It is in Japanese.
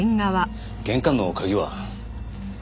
玄関の鍵は？